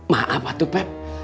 maaf atuh pep